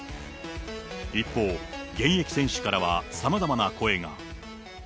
一方、現役選手からはさまざまな声が。